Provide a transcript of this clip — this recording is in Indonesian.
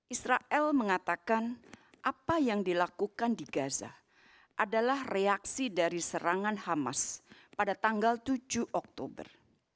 israel mengatakan apa yang dilakukan di gaza adalah reaksi dari serangan hamas pada tanggal tujuh oktober